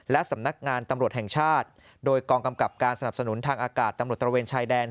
และสำนักงานตำรวจแห่งชาติโดยกองกำกับการสนับสนุนทางอากาศตำรวจตระเวนชายแดน